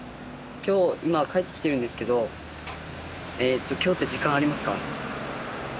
今日今帰ってきてるんですけど今日って時間ありますか？